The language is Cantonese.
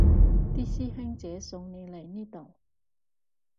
啲師兄姐送你嚟呢度